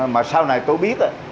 mà sau này tôi biết